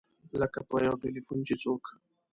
لکه په یو ټیلفون چې څوک.